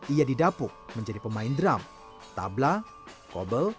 ia didapuk menjadi pemain drum tabla kobel